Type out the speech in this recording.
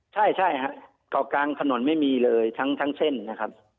ใช่ครับเกาะกลางถนนไม่มีเลยทั้งเส้นนะครับ